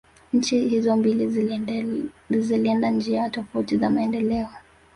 Nchi hizo mbili zilienda njia tofauti za maendeleo